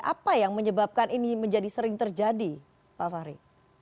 apa yang menyebabkan ini menjadi sering terjadi pak fahri